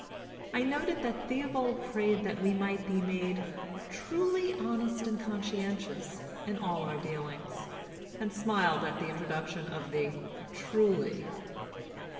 I noted that Theobald prayed that we might be made "truly honest and conscientious" in all our dealings, and smiled at the introduction of the "truly."